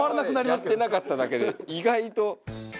やってなかっただけで意外と。